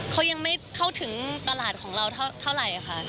เขายังไม่เข้าถึงตลาดของเราเท่าไหร่ค่ะ